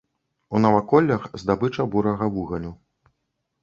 У наваколлях здабыча бурага вугалю.